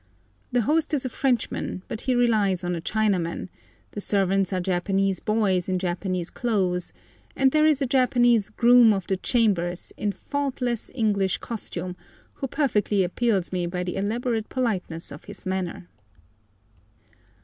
The host is a Frenchman, but he relies on a Chinaman; the servants are Japanese "boys" in Japanese clothes; and there is a Japanese "groom of the chambers" in faultless English costume, who perfectly appals me by the elaborate politeness of his manner.